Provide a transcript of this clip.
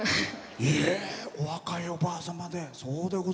お若いおばあ様で。